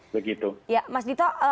begitu ya mas dito